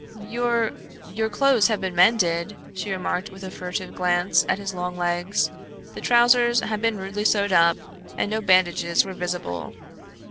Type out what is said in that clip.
"Your your clothes have been mended," she remarked with a furtive glance at his long legs. The trousers had been rudely sewed up and no bandages were visible.